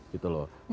skill untuk bertanya